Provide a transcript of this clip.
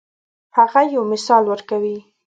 هغه یو مثال ورکوي.